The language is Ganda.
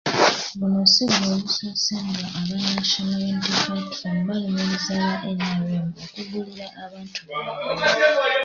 Guno si gwe gusoose nga aba National Unity Platform balumiriza aba NRM okugulirira abantu baabwe.